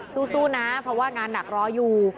สู้นะเพราะว่างานหนักรออยู่